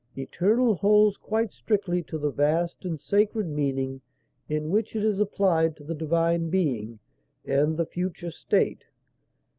Eternal holds quite strictly to the vast and sacred meaning in which it is applied to the Divine Being and the future state.